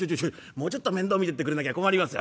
もうちょっと面倒見てってくれなきゃ困りますよ！」。